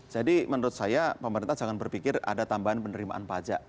jadi menurut saya pemerintah jangan berpikir ada tambahan penerimaan pajak